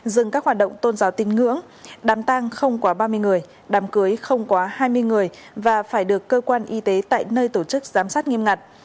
dừng các hoạt động tôn giáo tin ngưỡng đám tang không quá ba mươi người đám cưới không quá hai mươi người và phải được cơ quan y tế tại nơi tổ chức giám sát nghiêm ngặt